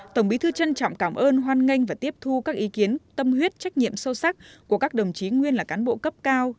tổng bí thư trân trọng cảm ơn hoan nghênh và tiếp thu các ý kiến tâm huyết trách nhiệm sâu sắc của các đồng chí nguyên là cán bộ cấp cao